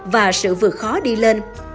và sự vượt khó đi lên